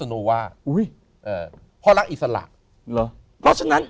หูยเออเพราะรักอิสระเหรอเพราะฉะนั้น